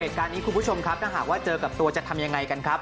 เหตุการณ์นี้คุณผู้ชมครับถ้าหากว่าเจอกับตัวจะทำยังไงกันครับ